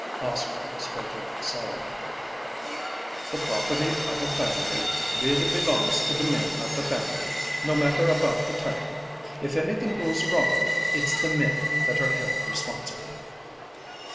Oscar spoke up solemnly. "The property of a family really belongs to the men of the family, no matter about the title. If anything goes wrong, it's the men that are held responsible."